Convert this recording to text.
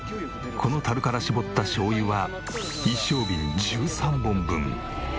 この樽から搾ったしょうゆは一升瓶１３本分。